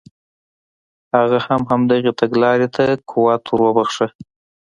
هغه هم همدغې تګلارې ته قوت ور وبخښه.